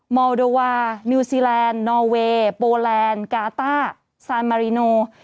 อลโดวานิวซีแลนด์นอเวย์โปแลนด์กาต้าซานมาริโน